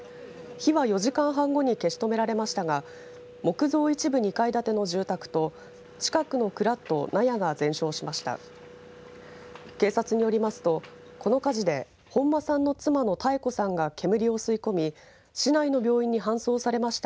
火は４時間半後に消し止められましたが木造一部２階建ての住宅と近くの蔵と納屋が全焼しました。